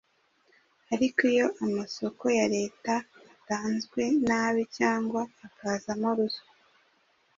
Ariko iyo amasoko ya Leta atanzwe nabi cyangwa akazamo ruswa,